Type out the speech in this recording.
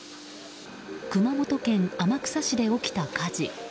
熊本県天草市で起きた火事。